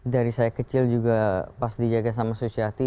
dari saya kecil juga pas dijaga sama susiati